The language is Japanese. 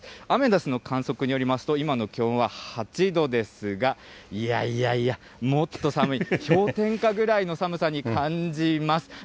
アメダスの観測によりますと、今の気温は８度ですが、いやいやいや、もっと寒い、氷点下ぐらいの寒さに感じます。